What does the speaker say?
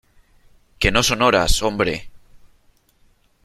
que no son horas , hombre .